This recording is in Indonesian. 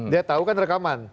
dia tahu kan rekaman